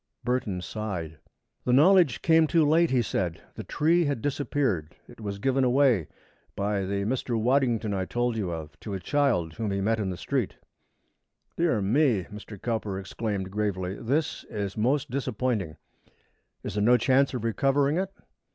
Burton sighed. "The knowledge came too late," he said. "The tree had disappeared. It was given away, by the Mr. Waddington I told you of, to a child whom he met in the street." "Dear me!" Mr. Cowper exclaimed gravely. "This is most disappointing. Is there no chance of recovering it?